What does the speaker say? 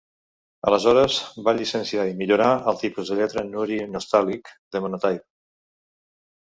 Aleshores, van llicenciar i millorar el tipus de lletra "Noori Nastaliq" de Monotype.